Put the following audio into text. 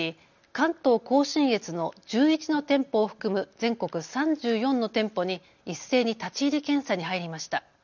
関東甲信越の１１の店舗を含む全国３４の店舗に一斉に立ち入り検査に入りました。